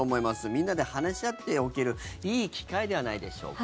みんなで話し合っておけるいい機会ではないでしょうか。